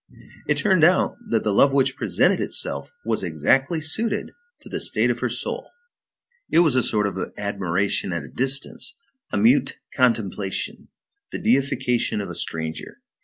It turned out that the love which presented itself was exactly suited to the state of her soul. It was a sort of admiration at a distance, a mute contemplation, the deification of a stranger.